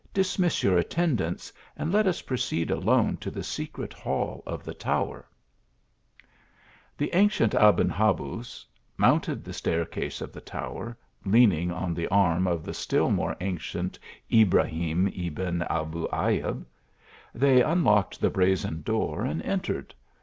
Dismiss your attendants and let us proceed alone to the secret hall of the tower." 116 THE ALHAMBRA. The ancient Aben Habuz mounted the staircase of the tower, leaning on the arm of the still more ancient Ibrahim Ebn Abu Ayub. They unlocked the brazen door and entered.